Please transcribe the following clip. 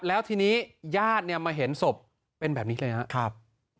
แล้วทีนี้ญาติเนี่ยมาเห็นศพเป็นแบบนี้เลยครับ